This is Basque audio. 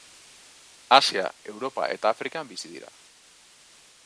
Asia, Europa eta Afrikan bizi dira.